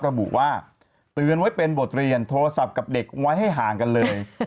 ระบุว่าเตือนไว้เป็นบทเรียนโทรศัพท์กับเด็กไว้ให้ห่างกันเลย